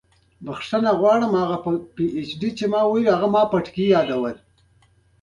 ځینو عسکرو بد کتل او ځینو ریشخند وهلو